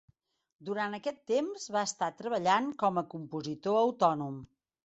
Durant aquest temps, va estar treballant com a compositor autònom.